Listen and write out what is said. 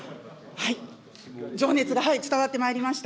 情熱が伝わってまいりました。